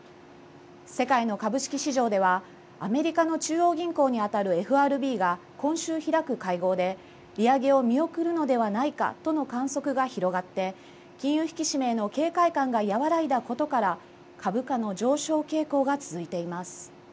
世界の株式市場ではアメリカの中央銀行にあたるＦＲＢが今週開く会合で利上げを見送るのではないかとの観測が広がって金融引き締めへの警戒感が和らいだことから株価の上昇傾向が続いています。